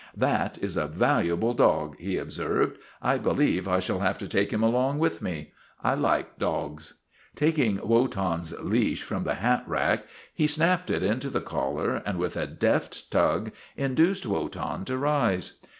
" That is a valuable dog," he observed. " I be lieve I shall have to take him along with me. I like dogs." Taking Wotan's leash from the hat rack he snapped it into the collar, and with a deft tug in duced W'otan to rise.